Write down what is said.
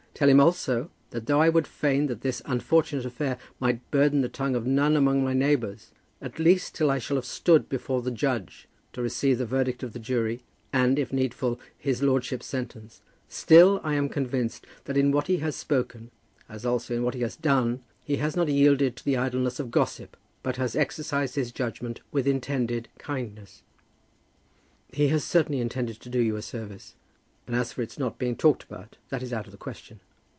Tell him also, that though I would fain that this unfortunate affair might burden the tongue of none among my neighbours, at least till I shall have stood before the judge to receive the verdict of the jury, and, if needful, his lordship's sentence still I am convinced that in what he has spoken, as also in what he has done, he has not yielded to the idleness of gossip, but has exercised his judgment with intended kindness." "He has certainly intended to do you a service; and as for its not being talked about, that is out of the question."